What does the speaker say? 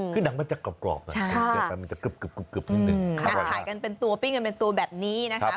คือดังมันจะกรอบกรอบใช่มันจะกรึบกรึบกรึบกรึบหนึ่งขายกันเป็นตัวปิ้งกันเป็นตัวแบบนี้นะคะ